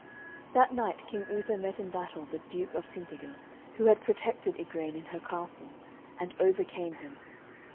That night King Uther met in battle the Duke of Tintagil, who had protected Igraine in her castle, and overcame him.